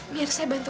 biar saya bantu om